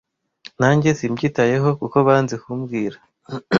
nanjye simbyitayeho kuko banze kumbwira